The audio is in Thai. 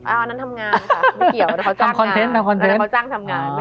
อ้าวนั่นทำงานค่ะไม่เกี่ยวนั่นเขาจ้างทำงาน